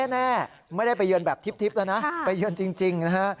แน่ไม่ได้ไปเยือนแบบทิพย์แล้วนะไปเยือนจริงนะฮะ